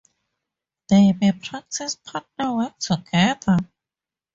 They may practice partner work together.